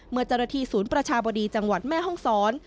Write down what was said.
เมื่อจรฐีศูนย์ประชาบดีจังหวัดแม่ฮ่องซ้อน